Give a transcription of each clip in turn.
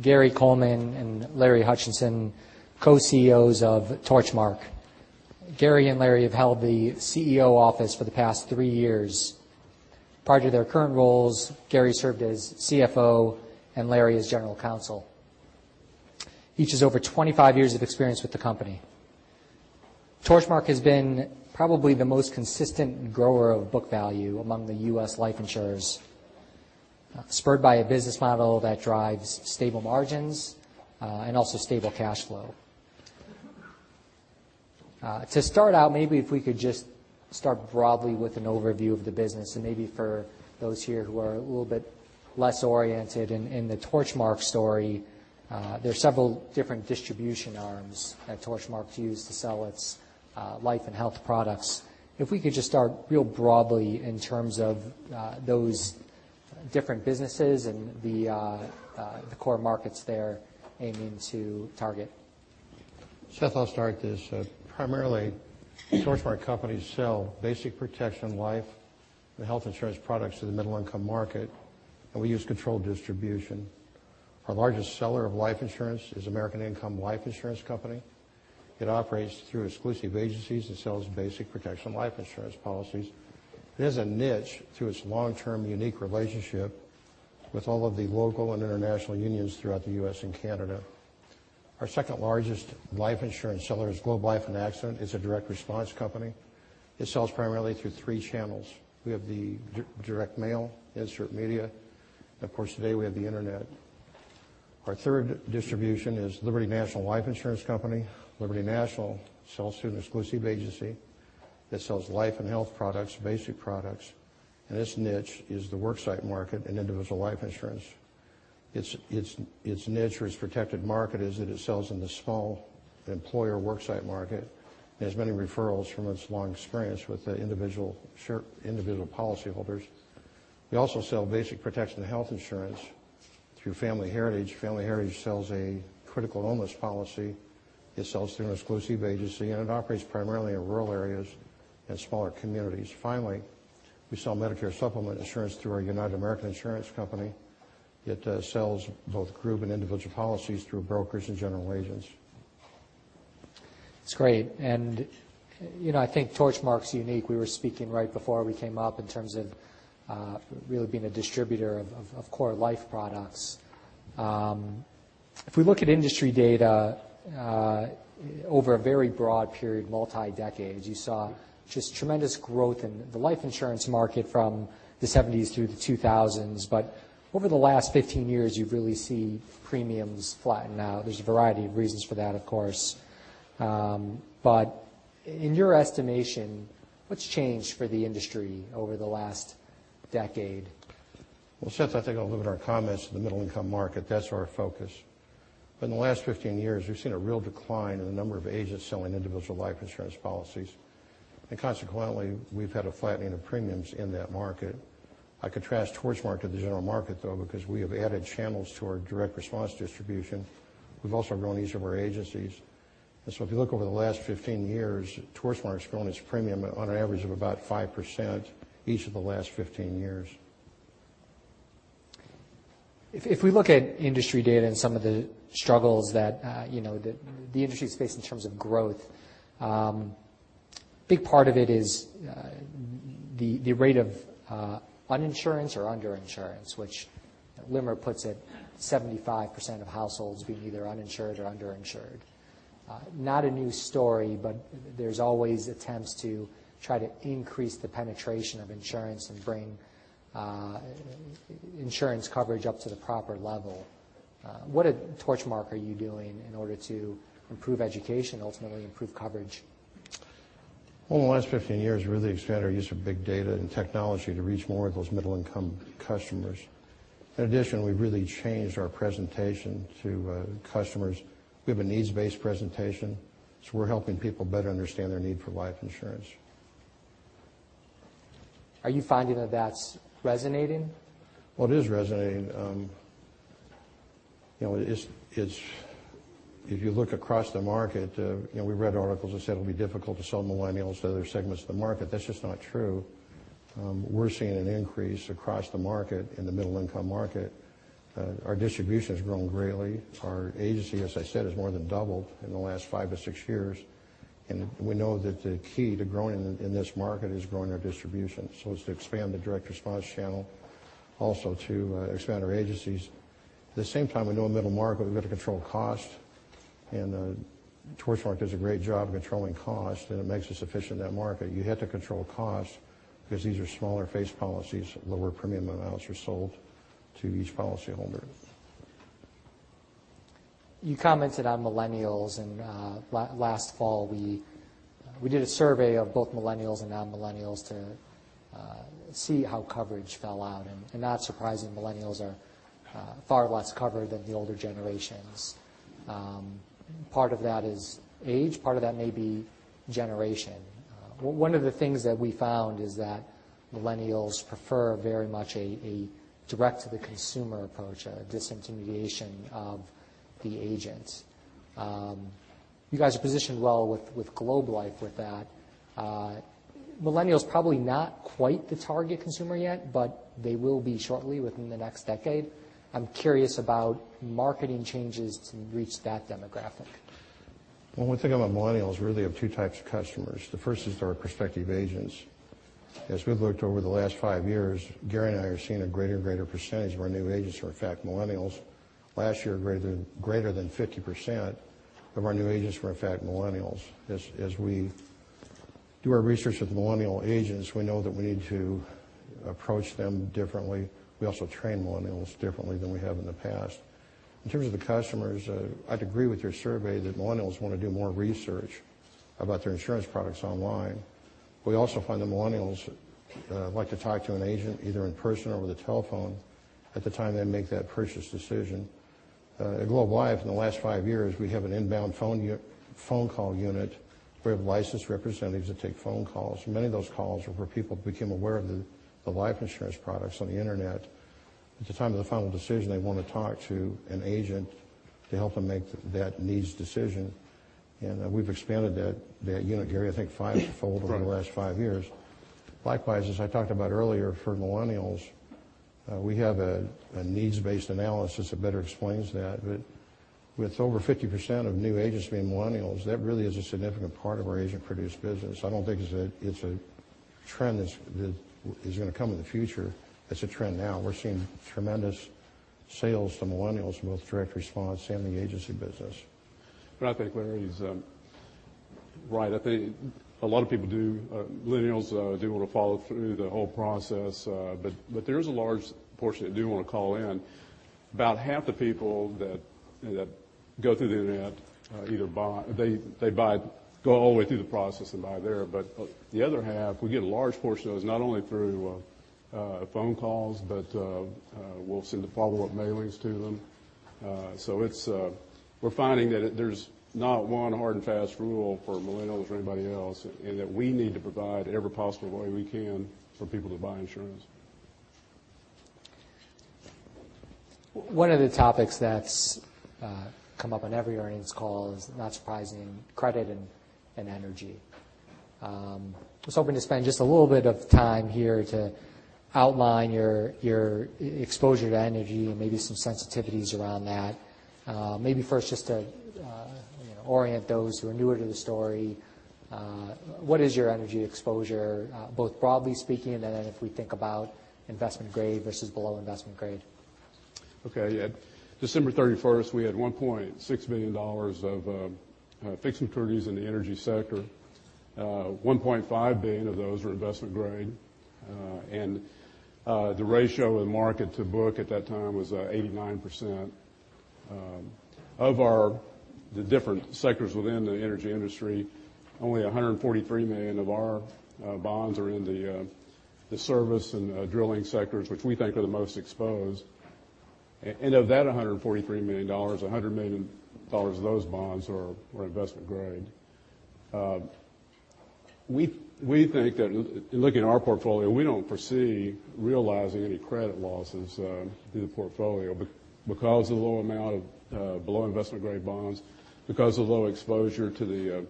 Gary Coleman and Larry Hutchinson, co-CEOs of Torchmark. Gary and Larry have held the CEO office for the past three years. Prior to their current roles, Gary served as CFO and Larry as general counsel. Each has over 25 years of experience with the company. Torchmark has been probably the most consistent grower of book value among the U.S. life insurers, spurred by a business model that drives stable margins and also stable cash flow. Maybe if we could just start broadly with an overview of the business and maybe for those here who are a little bit less oriented in the Torchmark story. There's several different distribution arms that Torchmark uses to sell its life and health products. If we could just start real broadly in terms of those different businesses and the core markets they're aiming to target. Seth, I'll start this. Primarily, Torchmark companies sell basic protection life and health insurance products to the middle-income market, and we use controlled distribution. Our largest seller of life insurance is American Income Life Insurance Company. It operates through exclusive agencies and sells basic protection life insurance policies. It has a niche through its long-term, unique relationship with all of the local and international unions throughout the U.S. and Canada. Our second largest life insurance seller is Globe Life and Accident. It's a direct response company. It sells primarily through three channels. We have the direct mail, insert media, and of course, today we have the internet. Our third distribution is Liberty National Life Insurance Company. Liberty National sells through an exclusive agency that sells life and health products, basic products, and its niche is the worksite market and individual life insurance. Its niche or its protected market is that it sells in the small employer worksite market and has many referrals from its long experience with the individual policyholders. We also sell basic protection health insurance through Family Heritage. Family Heritage sells a critical illness policy. It sells through an exclusive agency. It operates primarily in rural areas and smaller communities. Finally, we sell Medicare Supplement insurance through our United American Insurance Company. It sells both group and individual policies through brokers and general agents. That's great. I think Torchmark's unique. We were speaking right before we came up in terms of really being a distributor of core life products. If we look at industry data over a very broad period, multi-decades, you saw just tremendous growth in the life insurance market from the 1970s through the 2000s. Over the last 15 years, you've really seen premiums flatten out. There's a variety of reasons for that, of course. In your estimation, what's changed for the industry over the last decade? Well, Seth, I think I'll limit our comments to the middle-income market. That's our focus. In the last 15 years, we've seen a real decline in the number of agents selling individual life insurance policies, and consequently, we've had a flattening of premiums in that market. I contrast Torchmark to the general market, though, because we have added channels to our direct response distribution. We've also grown each of our agencies. If you look over the last 15 years, Torchmark's grown its premium on an average of about 5% each of the last 15 years. If we look at industry data and some of the struggles that the industry has faced in terms of growth, a big part of it is the rate of uninsurance or underinsurance, which LIMRA puts at 75% of households being either uninsured or underinsured. Not a new story, but there's always attempts to try to increase the penetration of insurance and bring insurance coverage up to the proper level. What at Torchmark are you doing in order to improve education, ultimately improve coverage? Over the last 15 years, we've really expanded our use of big data and technology to reach more of those middle-income customers. In addition, we've really changed our presentation to customers. We have a needs-based presentation, so we're helping people better understand their need for life insurance. Are you finding that that's resonating? Well, it is resonating. If you look across the market, we read articles that said it would be difficult to sell millennials to other segments of the market. That's just not true. We're seeing an increase across the market in the middle-income market. Our distribution has grown greatly. Our agency, as I said, has more than doubled in the last five to six years. We know that the key to growing in this market is growing our distribution. It's to expand the direct response channel, also to expand our agencies. At the same time, we know in middle market, we've got to control cost. Torchmark does a great job of controlling cost. It makes us efficient in that market. You have to control cost because these are smaller face policies. Lower premium amounts are sold to each policyholder. You commented on millennials. Last fall, we did a survey of both millennials and non-millennials to see how coverage fell out. Not surprising, millennials are far less covered than the older generations. Part of that is age, part of that may be generation. One of the things that we found is that millennials prefer very much a direct-to-the-consumer approach, a disintermediation of the agent. You guys are positioned well with Globe Life with that. Millennials probably not quite the target consumer yet, but they will be shortly within the next decade. I'm curious about marketing changes to reach that demographic. Well, one thing about millennials, we really have two types of customers. The first is our prospective agents. As we've looked over the last five years, Gary and I have seen a greater and greater percentage of our new agents are, in fact, millennials. Last year, greater than 50% of our new agents were, in fact, millennials. As we do our research with millennial agents, we know that we need to approach them differently. We also train millennials differently than we have in the past. In terms of the customers, I'd agree with your survey that millennials want to do more research about their insurance products online. We also find that millennials like to talk to an agent, either in person or over the telephone, at the time they make that purchase decision. At Globe Life in the last five years, we have an inbound phone call unit where we have licensed representatives that take phone calls. Many of those calls are where people became aware of the life insurance products on the internet. At the time of the final decision, they want to talk to an agent to help them make that needs decision. We've expanded that unit, Gary, I think fivefold- Right over the last five years. Likewise, as I talked about earlier, for millennials, we have a needs-based analysis that better explains that. With over 50% of new agents being millennials, that really is a significant part of our agent produced business. I don't think it's a trend that is going to come in the future. It's a trend now. We're seeing tremendous sales to millennials from both direct response and the agency business. I think Larry's right. I think a lot of people millennials do want to follow through the whole process. There is a large portion that do want to call in. About half the people that go through the internet either they go all the way through the process and buy there. The other half, we get a large portion of those, not only through phone calls, but we'll send the follow-up mailings to them. We're finding that there's not one hard and fast rule for millennials or anybody else, and that we need to provide every possible way we can for people to buy insurance. One of the topics that's come up on every earnings call is not surprising, credit and energy. I was hoping to spend just a little bit of time here to outline your exposure to energy and maybe some sensitivities around that. Maybe first just to orient those who are newer to the story. What is your energy exposure? Both broadly speaking, and then if we think about investment grade versus below investment grade. Okay. Yeah. December 31st, we had $1.6 billion of fixed maturities in the energy sector. $1.5 billion of those were investment grade. The ratio of market to book at that time was 89%. Of the different sectors within the energy industry, only $143 million of our bonds are in the service and drilling sectors, which we think are the most exposed. Of that $143 million, $100 million of those bonds are investment grade. We think that in looking at our portfolio, we don't foresee realizing any credit losses through the portfolio because of the low amount of below investment grade bonds, because of low exposure to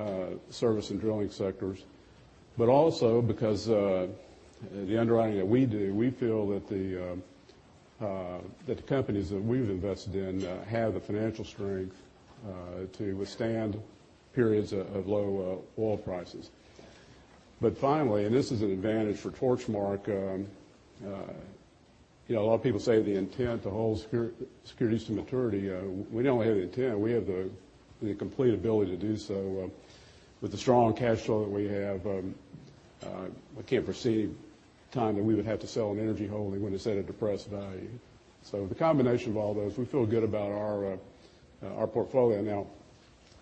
the service and drilling sectors. Also because the underwriting that we do, we feel that the companies that we've invested in have the financial strength to withstand periods of low oil prices. Finally, and this is an advantage for Torchmark. A lot of people say the intent to hold securities to maturity. We don't have the intent. We have the complete ability to do so with the strong cash flow that we have. I can't foresee time that we would have to sell an energy holding when it's at a depressed value. The combination of all those, we feel good about our portfolio. Now,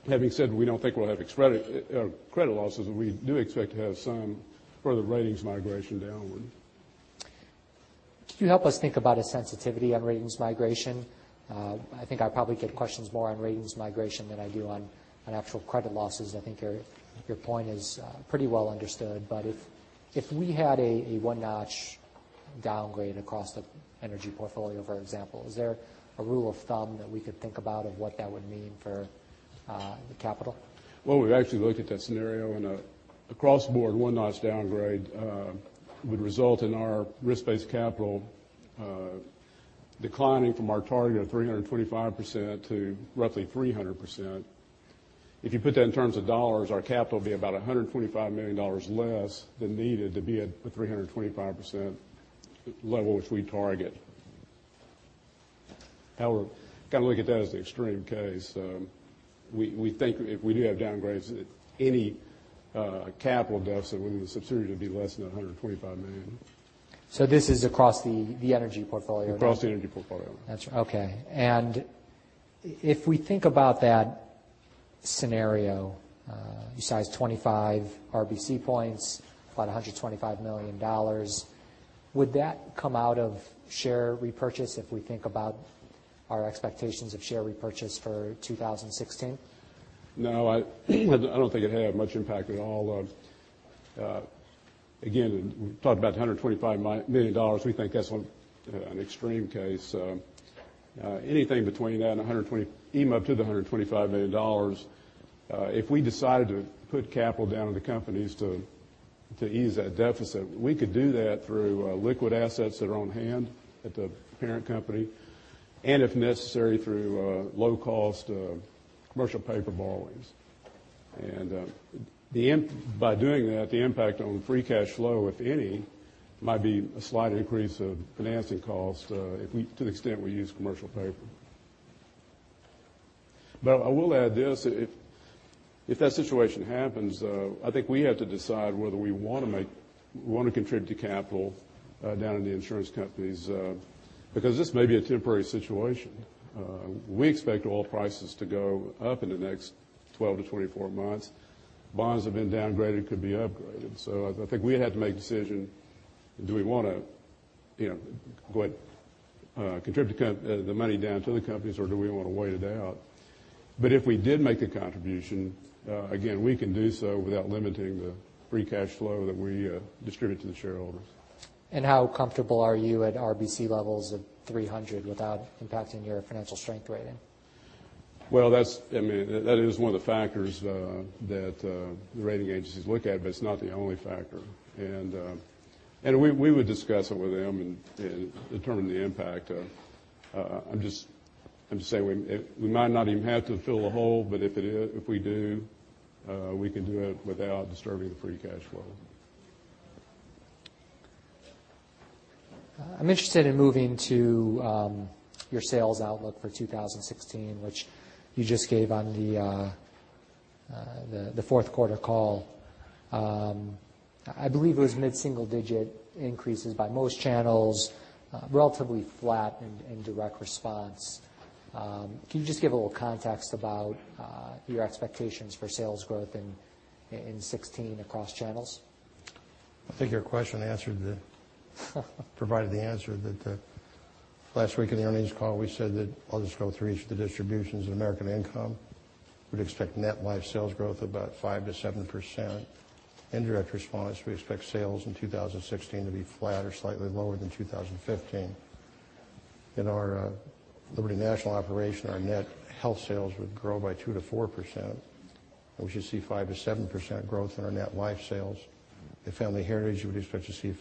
having said we don't think we'll have credit losses, we do expect to have some further ratings migration downward. Could you help us think about a sensitivity on ratings migration? I think I probably get questions more on ratings migration than I do on actual credit losses. I think your point is pretty well understood. If we had a one-notch downgrade across the energy portfolio, for example, is there a rule of thumb that we could think about of what that would mean for the capital? Well, we've actually looked at that scenario, across the board, a one-notch downgrade would result in our risk-based capital declining from our target of 325% to roughly 300%. If you put that in terms of dollars, our capital would be about $125 million less than needed to be at the 325% level which we target. Got to look at that as the extreme case. We think if we do have downgrades, any capital deficit we would subdue to be less than $125 million. This is across the energy portfolio. Across the energy portfolio. That's right. Okay. If we think about that scenario, you size 25 RBC points, about $125 million. Would that come out of share repurchase if we think about our expectations of share repurchase for 2016? No. I don't think it would have much impact at all. Again, we talked about $125 million. We think that's an extreme case. Anything between that and up to the $125 million, if we decided to put capital down in the companies to ease that deficit, we could do that through liquid assets that are on hand at the parent company and if necessary, through low-cost commercial paper borrowings. By doing that, the impact on free cash flow, if any, might be a slight increase of financing costs to the extent we use commercial paper. I will add this, if that situation happens, I think we have to decide whether we want to contribute to capital down in the insurance companies because this may be a temporary situation. We expect oil prices to go up in the next 12 to 24 months. Bonds have been downgraded could be upgraded. I think we have to make a decision, do we want to contribute the money down to the companies or do we want to wait it out? If we did make a contribution, again, we can do so without limiting the free cash flow that we distribute to the shareholders. How comfortable are you at RBC levels of 300 without impacting your financial strength rating? That is one of the factors that the rating agencies look at, but it's not the only factor. We would discuss it with them and determine the impact. I'm just saying we might not even have to fill a hole, but if we do, we can do it without disturbing the free cash flow. I'm interested in moving to your sales outlook for 2016, which you just gave on the fourth quarter call. I believe it was mid-single digit increases by most channels, relatively flat in direct response. Can you just give a little context about your expectations for sales growth in 2016 across channels? I think your question provided the answer. Last week in the earnings call, we said that I'll just go through each of the distributions. In American Income, we'd expect net life sales growth about 5%-7%. In direct response, we expect sales in 2016 to be flat or slightly lower than 2015. In our Liberty National operation, our net health sales would grow by 2%-4%, and we should see 5%-7% growth in our net life sales. At Family Heritage, we'd expect to see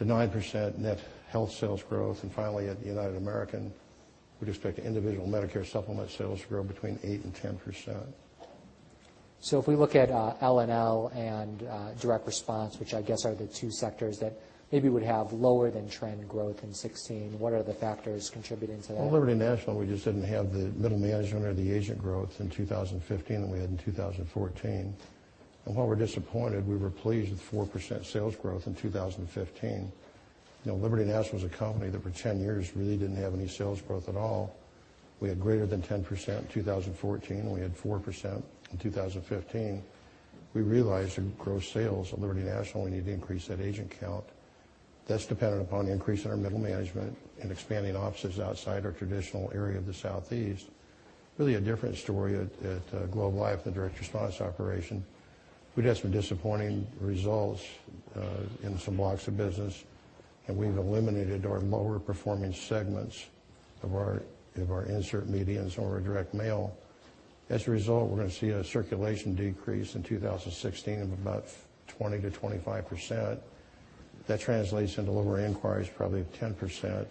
5%-9% net health sales growth. Finally, at United American, we'd expect individual Medicare Supplement sales to grow between 8% and 10%. If we look at LNL and direct response, which I guess are the two sectors that maybe would have lower than trend growth in 2016, what are the factors contributing to that? Well, Liberty National, we just didn't have the middle management or the agent growth in 2015 than we had in 2014. While we're disappointed, we were pleased with 4% sales growth in 2015. Liberty National is a company that for 10 years really didn't have any sales growth at all. We had greater than 10% in 2014, and we had 4% in 2015. We realized in gross sales at Liberty National, we need to increase that agent count. That's dependent upon increasing our middle management and expanding offices outside our traditional area of the Southeast. Really a different story at Globe Life, the direct response operation. We just had disappointing results in some blocks of business, and we've eliminated our lower performing segments of our insert media or our direct mail. As a result, we're going to see a circulation decrease in 2016 of about 20%-25%. That translates into lower inquiries, probably 10%.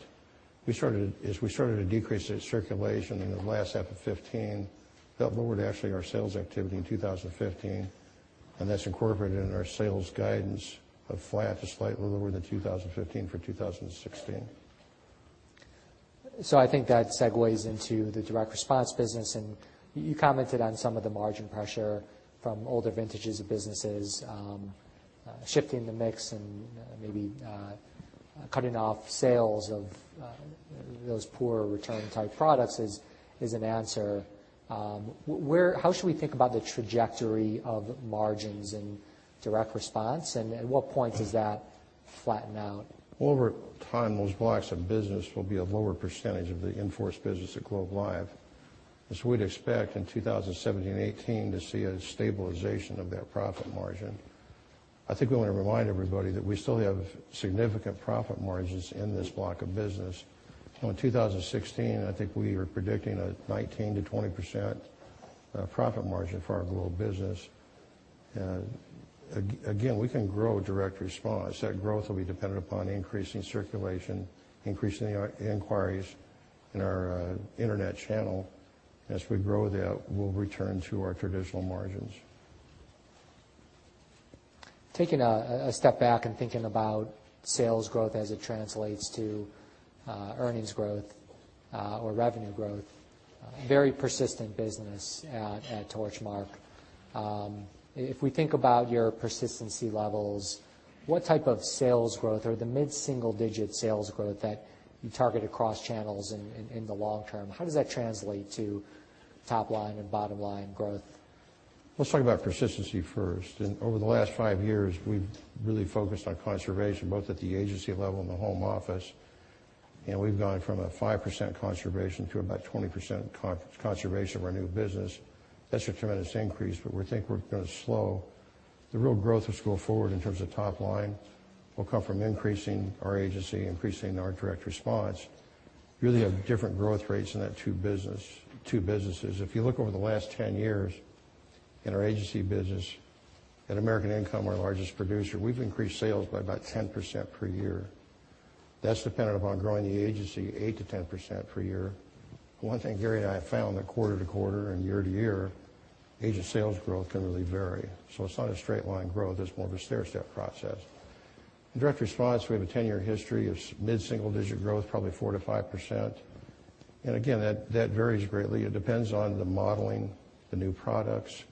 We started to decrease that circulation in the last half of 2015, that lowered actually our sales activity in 2015, and that's incorporated in our sales guidance of flat to slightly lower than 2015 for 2016. I think that segues into the direct response business, and you commented on some of the margin pressure from older vintages of businesses. Shifting the mix and maybe cutting off sales of those poor return type products is an answer. How should we think about the trajectory of margins in direct response, and at what point does that flatten out? Over time, those blocks of business will be a lower percentage of the in-force business at Globe Life, as we'd expect in 2017 to 2018 to see a stabilization of that profit margin. I think we want to remind everybody that we still have significant profit margins in this block of business. In 2016, I think we are predicting a 19%-20% profit margin for our Globe business. We can grow direct response. That growth will be dependent upon increasing circulation, increasing the inquiries in our internet channel. As we grow that, we'll return to our traditional margins. Taking a step back and thinking about sales growth as it translates to earnings growth or revenue growth, very persistent business at Torchmark. If we think about your persistency levels, what type of sales growth or the mid-single digit sales growth that you target across channels in the long term, how does that translate to top line and bottom line growth? Let's talk about persistency first. Over the last five years, we've really focused on conservation, both at the agency level and the home office. We've gone from a 5% conservation to about 20% conservation of our new business. That's a tremendous increase, but we think we're going to slow. The real growth as we go forward in terms of top line will come from increasing our agency, increasing our direct response. Really have different growth rates in that two businesses. If you look over the last 10 years in our agency business, at American Income, our largest producer, we've increased sales by about 10% per year. That's dependent upon growing the agency 8%-10% per year. One thing Gary and I have found that quarter to quarter and year to year, agent sales growth can really vary. It's not a straight line growth, it's more of a stair step process. In direct response, we have a 10-year history of mid-single digit growth, probably 4%-5%. Again, that varies greatly. It depends on the modeling, the new products,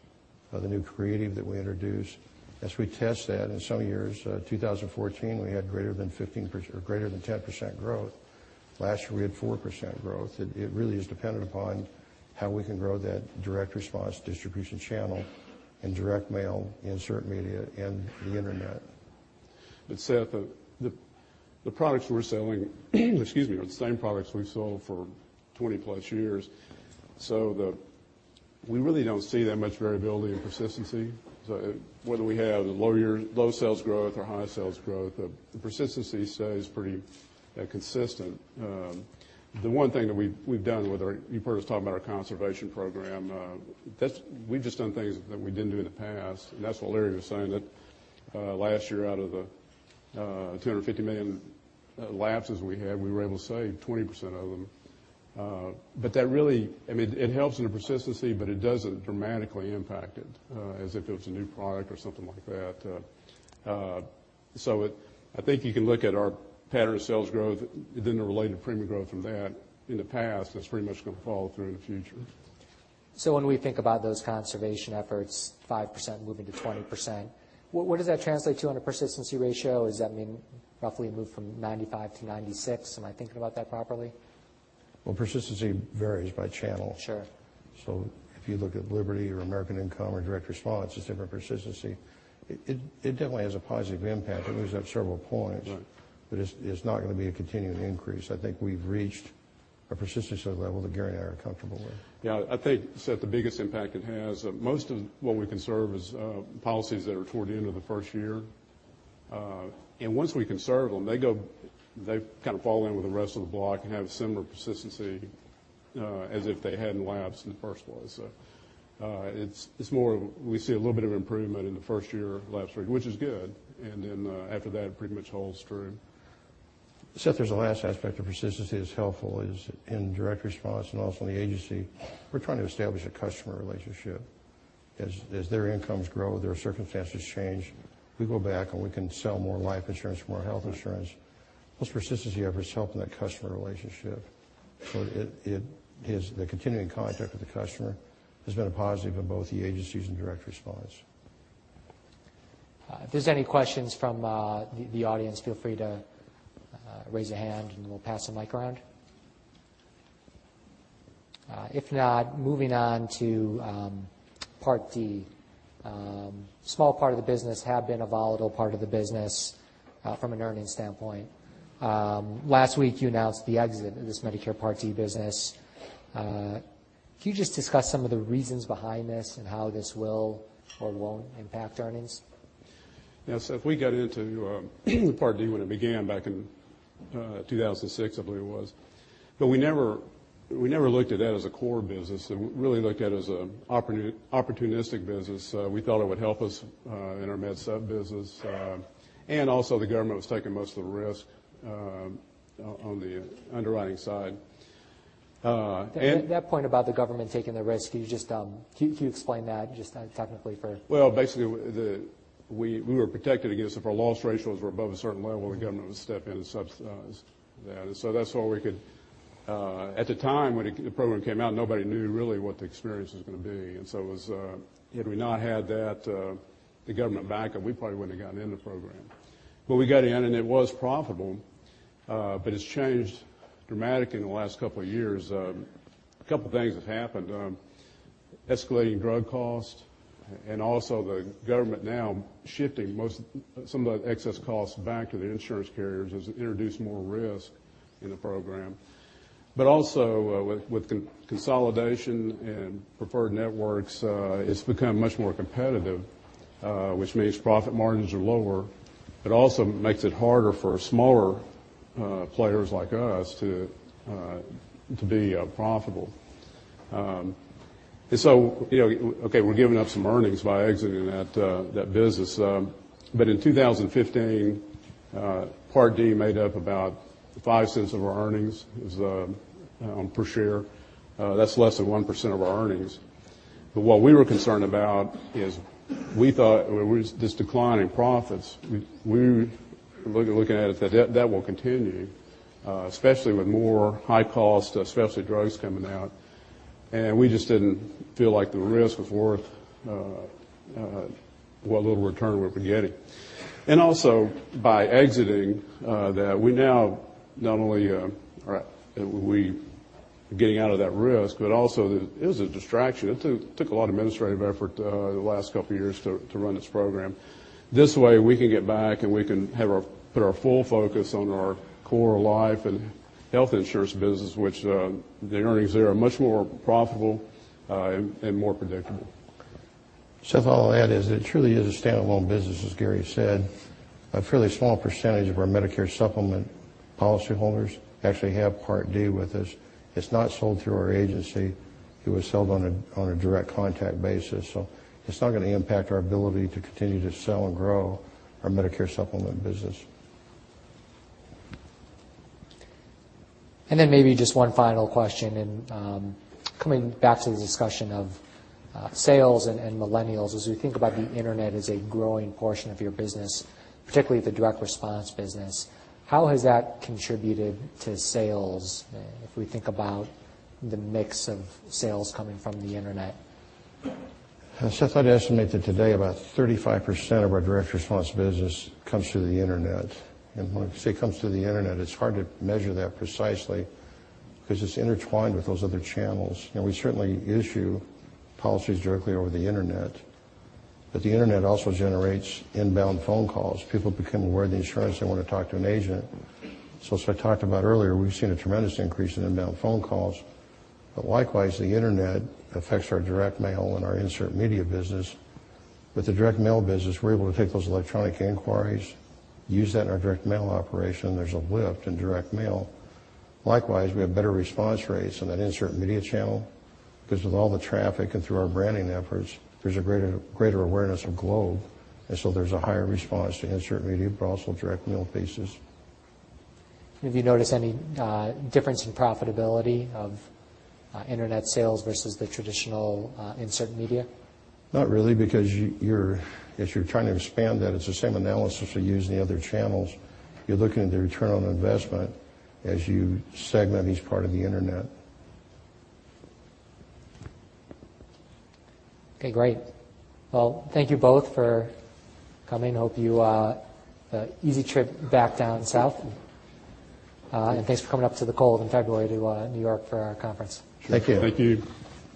the new creative that we introduce. As we test that, in some years, 2014, we had greater than 10% growth. Last year, we had 4% growth. It really is dependent upon how we can grow that direct response distribution channel and direct mail, insert media, and the internet. Seth, the products we're selling are the same products we've sold for 20-plus years. We really don't see that much variability in persistency. Whether we have low sales growth or high sales growth, the persistency stays pretty consistent. The one thing that we've done with our-- you've heard us talk about our conservation program. We've just done things that we didn't do in the past, and that's what Larry was saying, that last year, out of the 250 million lapses we had, we were able to save 20% of them. It helps in the persistency, but it doesn't dramatically impact it as if it was a new product or something like that. I think you can look at our pattern of sales growth, then the related premium growth from that in the past, that's pretty much going to follow through in the future. When we think about those conservation efforts, 5% moving to 20%, what does that translate to on a persistency ratio? Does that mean roughly a move from 95 to 96? Am I thinking about that properly? Well, persistency varies by channel. Sure. If you look at Liberty or American Income or direct response, it is different persistency. It definitely has a positive impact. It moves up several points. Right. It is not going to be a continuing increase. I think we have reached a persistency level that Gary and I are comfortable with. Yeah. I think, Seth, the biggest impact it has, most of what we conserve is policies that are toward the end of the first year. Once we conserve them, they kind of fall in with the rest of the block and have similar persistency, as if they had not lapsed in the first place. It is more we see a little bit of improvement in the first year lapse rate, which is good. Then, after that, it pretty much holds true. Seth, there is a last aspect of persistency that is helpful is in direct response and also in the agency, we are trying to establish a customer relationship. As their incomes grow, their circumstances change. We go back, and we can sell more life insurance, more health insurance. Those persistency efforts help in that customer relationship. It is the continuing contract with the customer has been a positive in both the agencies and direct response. If there's any questions from the audience, feel free to raise a hand and we'll pass the mic around. If not, moving on to Part D. Small part of the business, have been a volatile part of the business, from an earnings standpoint. Last week you announced the exit of this Medicare Part D business. Can you just discuss some of the reasons behind this and how this will or won't impact earnings? Yeah, Seth, we got into Part D when it began back in 2006, I believe it was. We never looked at that as a core business. We really looked at it as an opportunistic business. We thought it would help us in our Med Supp business. Also the government was taking most of the risk on the underwriting side. That point about the government taking the risk, can you explain that just technically. Well, basically, we were protected against if our loss ratios were above a certain level, the government would step in and subsidize that. At the time when the program came out, nobody knew really what the experience was going to be. Had we not had that, the government backup, we probably wouldn't have gotten in the program. We got in and it was profitable. It's changed dramatically in the last couple of years. A couple of things have happened. Escalating drug costs and also the government now shifting some of the excess costs back to the insurance carriers has introduced more risk in the program. Also with consolidation and preferred networks, it's become much more competitive, which means profit margins are lower. It also makes it harder for smaller players like us to be profitable. Okay, we're giving up some earnings by exiting that business. In 2015, Part D made up about $0.05 of our earnings per share. That's less than 1% of our earnings. What we were concerned about is we thought this decline in profits, we were looking at it that will continue, especially with more high cost, specialty drugs coming out, and we just didn't feel like the risk was worth what little return we were getting. Also by exiting that, we now not only are we getting out of that risk, but also it was a distraction. It took a lot of administrative effort the last couple of years to run this program. This way, we can get back, and we can put our full focus on our core life and health insurance business, which the earnings there are much more profitable and more predictable. Seth, all I'll add is it truly is a standalone business, as Gary said. A fairly small percentage of our Medicare Supplement policyholders actually have Part D with us. It's not sold through our agency. It was sold on a direct contact basis. It's not going to impact our ability to continue to sell and grow our Medicare Supplement business. Then maybe just one final question, and coming back to the discussion of sales and millennials. As we think about the internet as a growing portion of your business, particularly the direct response business, how has that contributed to sales if we think about the mix of sales coming from the internet? Seth, I'd estimate that today about 35% of our direct response business comes through the internet. When I say comes through the internet, it's hard to measure that precisely because it's intertwined with those other channels. We certainly issue policies directly over the internet. The internet also generates inbound phone calls. People become aware of the insurance and want to talk to an agent. As I talked about earlier, we've seen a tremendous increase in inbound phone calls. Likewise, the internet affects our direct mail and our insert media business. With the direct mail business, we're able to take those electronic inquiries, use that in our direct mail operation. There's a lift in direct mail. Likewise, we have better response rates on that insert media channel because with all the traffic and through our branding efforts, there's a greater awareness of Globe, there's a higher response to insert media, but also direct mail pieces. Have you noticed any difference in profitability of internet sales versus the traditional insert media? Not really, because as you're trying to expand that, it's the same analysis we use in the other channels. You're looking at the return on investment as you segment each part of the internet. Okay, great. Well, thank you both for coming. Hope you have an easy trip back down South. Thanks for coming up to the cold in February to New York for our conference. Thank you. Thank you.